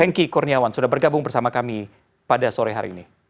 hengki kurniawan sudah bergabung bersama kami pada sore hari ini